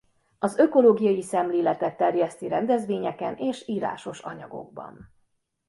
Az ökológiai szemléletet terjeszti rendezvényeken és írásos anyagokban.